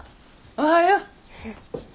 おはよう。